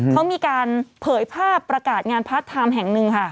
เขามีการเผยภาพประกาศงานพาร์ทไทม์แห่งหนึ่งค่ะ